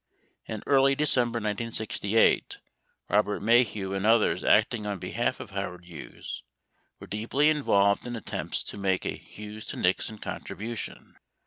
— In early December 1968, Robert Maheu and others acting on behalf of Howard Hughes were deeply involved in attempts to make a Hughes to Nixon contribution.